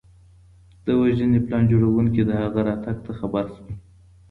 د وژنې پلان جوړونکي د هغه راتګ ته خبر شول.